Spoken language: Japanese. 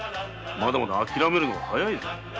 まだ諦めるのは早いぞ。